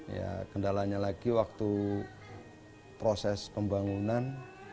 ya kendalanya lagi waktu proses pembangunan